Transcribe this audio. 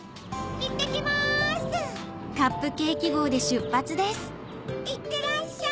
いってらっしゃい！